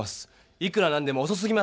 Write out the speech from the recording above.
いくらなんでもおそすぎます。